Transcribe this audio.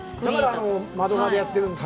だから、窓側でやってるんですね。